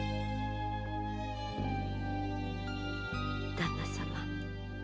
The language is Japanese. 旦那様。